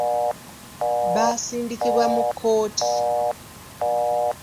Baasindikibwa mu kkooti.